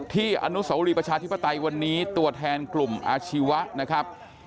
ที่อนุสาวุรีประชาธิปไตยวันนี้ตัวแทนกลุ่มอาชีวะ